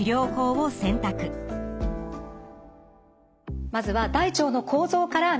まずは大腸の構造から見ていきます。